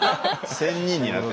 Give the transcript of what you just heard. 仙人になってるね。